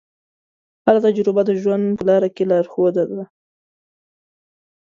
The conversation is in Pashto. هره تجربه د ژوند په لاره کې لارښود ده.